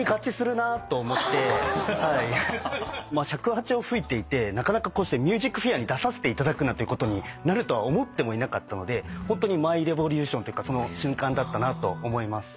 尺八を吹いていてなかなかこうして『ＭＵＳＩＣＦＡＩＲ』に出させていただくなんてことになるとは思ってもいなかったのでホントに「ＭｙＲｅｖｏｌｕｔｉｏｎ」というかその瞬間だったなと思います。